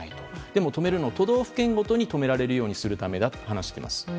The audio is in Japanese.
でも止めるのは都道府県ごとに止められるようにするためだと話しています。